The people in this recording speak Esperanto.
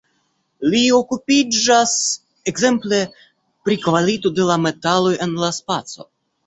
Li okupiĝas ekzemple pri kvalito de la metaloj en la spaco.